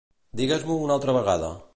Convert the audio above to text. Digues-m'ho una altra vegada.